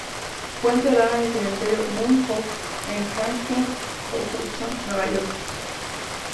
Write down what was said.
Fue enterrada en el cementerio Mount Hope, en Hastings-on-Hudson, Nueva York.